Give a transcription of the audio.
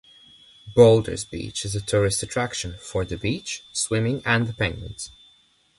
Boulders Beach is a tourist attraction, for the beach, swimming and the penguins.